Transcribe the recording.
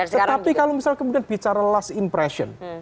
tetapi kalau misalnya kemudian bicara last impression